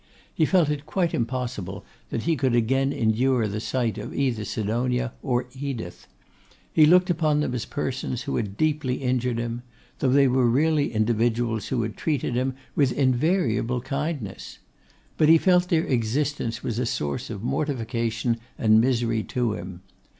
He felt it quite impossible that he could again endure the sight of either Sidonia or Edith. He looked upon them as persons who had deeply injured him; though they really were individuals who had treated him with invariable kindness. But he felt their existence was a source of mortification and misery to him.